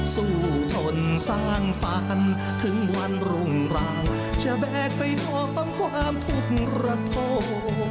สู้ทนสร้างฝันถึงวันหลงราวจะแบกไปน้องความทุทธระธม